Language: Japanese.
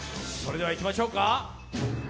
それではいきましょうか。